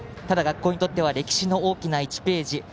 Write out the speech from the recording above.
ただ、学校にとっては歴史の大きな１ページ。